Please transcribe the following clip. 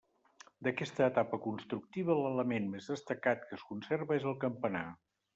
D'aquesta etapa constructiva l'element més destacat que es conserva és el campanar.